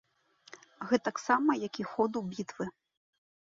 Гэтаксама як і ходу бітвы.